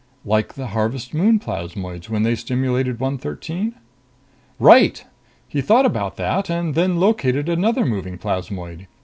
"Like the Harvest Moon plasmoids when they stimulated 113?" "Right. He thought about that, and then located another moving plasmoid.